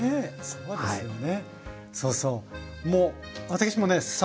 そうですね。